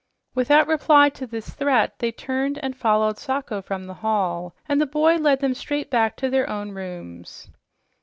Without reply to this threat, they turned and followed Sacho from the hall, and the boy led them straight back to their own rooms.